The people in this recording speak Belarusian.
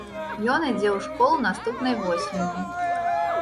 Ён ідзе ў школу наступнай восенню.